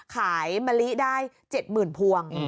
ขายมะลิได้๗๐๐๐๐พวง